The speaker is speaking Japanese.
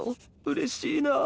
うれしいなあ。